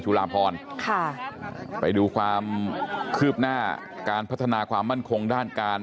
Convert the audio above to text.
ลาพรค่ะไปดูความคืบหน้าการพัฒนาความมั่นคงด้านการ